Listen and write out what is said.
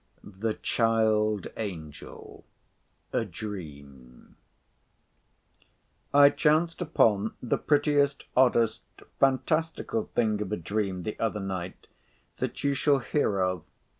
THE CHILD ANGEL A DREAM I chanced upon the prettiest, oddest, fantastical thing of a dream the other night, that you shall hear of.